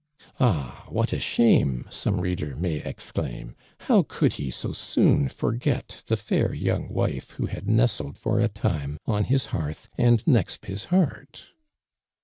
••.\h, what a shame!'' some reader may exclaim. " How could he so soon forget the fair young wife who had nestled for a time on his hearth and next his heart."